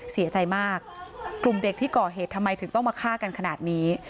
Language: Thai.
เสียใจมากกลุ่มเด็กที่ก่อเหตุทำไมถึงต้องมาฆ่ากันขนาดนี้